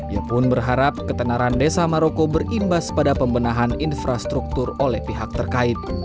ia pun berharap ketenaran desa maroko berimbas pada pembenahan infrastruktur oleh pihak terkait